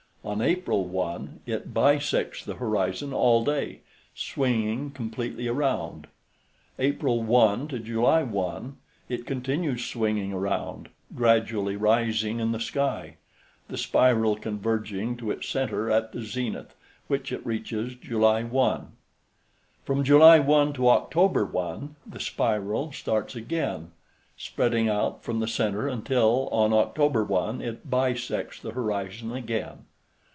On April 1, it bisects the horizon all day, swinging completely around. April 1 to July 1, it continues swinging around, gradually rising in the sky, the spiral converging to its center at the zenith, which it reaches July 1. From July 1 to October 1 the spiral starts again, spreading out from the center until on October 1 it bisects the horizon again.